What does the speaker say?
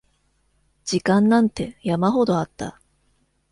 時間なんて山ほどあった